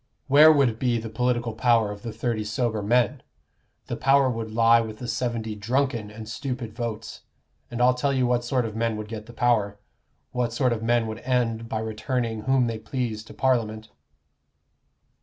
Where would be the political power of the thirty sober men? The power would lie with the seventy drunken and stupid votes; and I'll tell you what sort of men would get the power what sort of men would end by returning whom they pleased to Parliament."